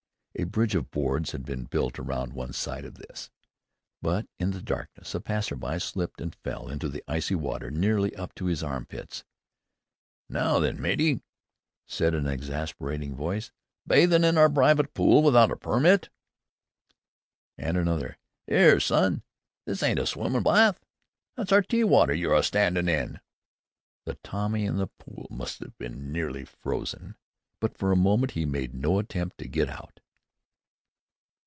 A bridge of boards had been built around one side of this, but in the darkness a passer by slipped and fell into the icy water nearly up to his arm pits. "Now, then, matey!" said an exasperating voice, "bathin' in our private pool without a permit?" And another, "'Ere, son! This ain't a swimmin' bawth! That's our tea water yer a standin' in!" The Tommy in the pool must have been nearly frozen, but for a moment he made no attempt to get out.